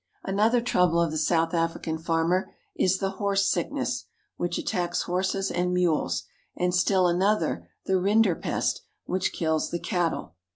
Another trouble of the South African farmer is the I fhorse sickness, which attacks horses and mules ; and still [.another, the rinderpest, which kills the cattle.